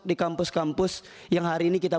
di kampus kampus yang hari ini kita